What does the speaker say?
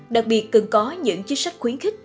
đặc biệt cần có những chính sách khuyến khích